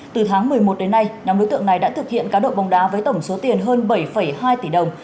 từ tháng một mươi một đến nay nhóm đối tượng này đã thực hiện cá độ bóng đá với tổng số tiền hơn bảy hai tỷ đồng